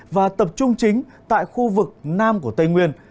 và tập trung chính tại khu vực nam của tây nguyên